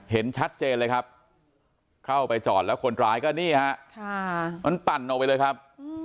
เห็นชัดเจนเลยครับเข้าไปจอดแล้วคนร้ายก็นี่ฮะมันปั่นออกไปเลยครับ